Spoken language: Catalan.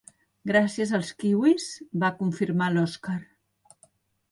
Gràcies als kiwis —va confirmar l'Oskar—.